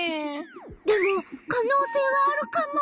でも可能性はあるカモ。